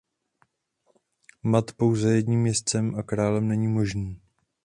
Mat pouze jedním jezdcem a králem není možný.